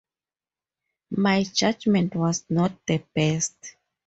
My judgment was not the best.